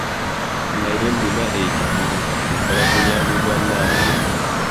"Naye nnina ekizibu, nsaba buyambi bannange."